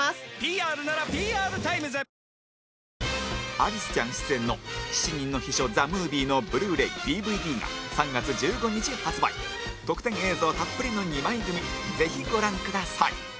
アリスちゃん出演の『七人の秘書ＴＨＥＭＯＶＩＥ』のＢｌｕ‐ｒａｙ、ＤＶＤが３月１５日発売特典映像たっぷりの２枚組ぜひ、ご覧ください